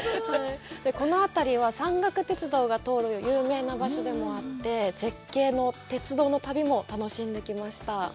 この辺りは山岳鉄道が通る有名な場所でもあって、絶景の鉄道の旅も楽しんできました。